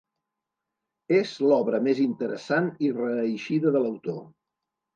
És l'obra més interessant i reeixida de l'autor.